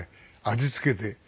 味付けて。